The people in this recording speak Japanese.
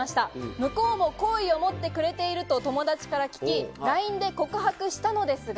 向こうも好意を持ってくれていると友達から聞き、ＬＩＮＥで告白したのですが、